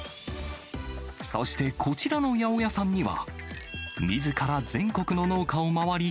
そして、こちらの八百屋さんには、みずから全国の農家を回り、